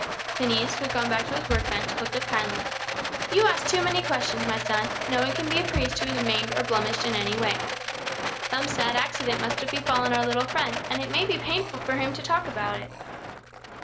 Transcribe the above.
Phineas, who had gone back to his work bench, looked up kindly. "You ask too many questions, my son. No one can be a priest who is maimed or blemished in any way. Some sad accident must have befallen our little friend, and it may be painful for him to talk about it."